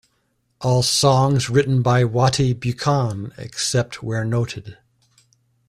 All songs written by Wattie Buchan, except where noted.